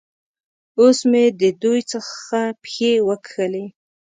اوس مې د دوی څخه پښې وکښلې.